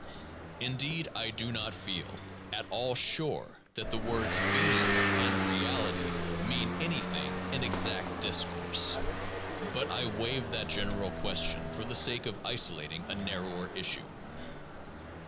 Indeed, I do not feel at all sure that the words "being" and "reality" mean anything in exact discourse. But I waive that general question for the sake of isolating a narrower issue.